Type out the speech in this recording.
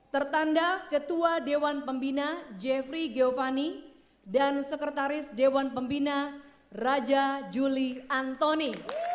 tertanda ketua dewan pembina jeffrey geovani dan sekretaris dewan pembina raja juli antoni